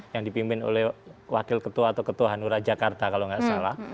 yang dipimpin oleh wakil ketua atau ketua hanura jakarta kalau nggak salah